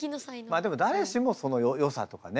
まあでもだれしもそのよさとかね